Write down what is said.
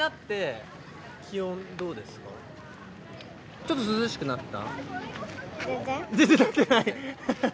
ちょっと涼しくなった？